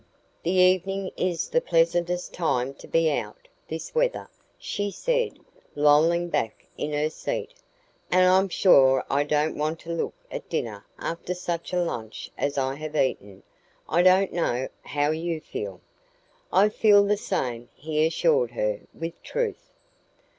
"The evening is the pleasantest time to be out, this weather," she said, lolling back in her seat. "And I'm sure I don't want to look at dinner after such a lunch as I have eaten. I don't know how you feel." "I feel the same," he assured her, with truth.